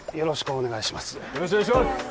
お願いします